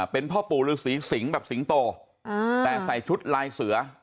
เป็นพ่อปู่ฤษีสิงแบบสิงโตแต่ใส่ชุดลายเสือ